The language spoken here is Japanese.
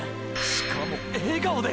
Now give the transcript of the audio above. しかも笑顔で！！